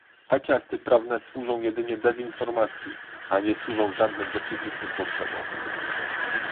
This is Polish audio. Takie akty prawne służą jedynie dezinformacji, a nie służą żadnym rzeczywistym potrzebom